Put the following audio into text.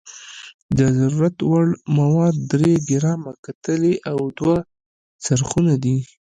د ضرورت وړ مواد درې ګرامه کتلې او دوه څرخونه دي.